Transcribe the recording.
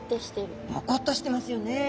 ボコッとしてますよね。